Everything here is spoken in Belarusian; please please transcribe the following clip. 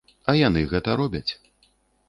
А яны гэта робяць.